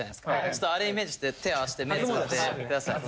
ちょっとあれイメージして手合わせて目つぶってください。